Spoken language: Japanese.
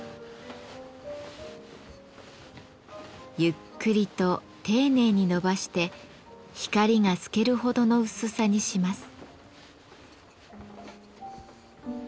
ゆっくりと丁寧に伸ばして光が透けるほどの薄さにします。